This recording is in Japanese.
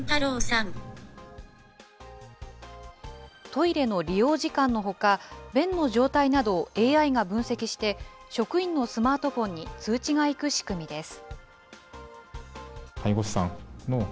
トイレの利用時間のほか、便の状態などをＡＩが分析して、職員のスマートフォンに通知が行く仕組みです。